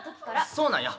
そうなんや。